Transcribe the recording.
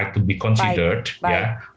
hak untuk dipertimbangkan